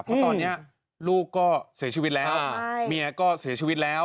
เพราะตอนนี้ลูกก็เสียชีวิตแล้วเมียก็เสียชีวิตแล้ว